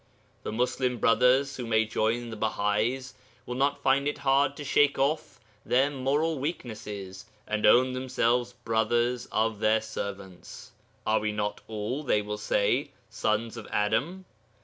The Muslim brothers who may join the Bahais will not find it hard to shake off their moral weaknesses, and own themselves brothers of their servants. Are we not all (they will say) sons of Adam?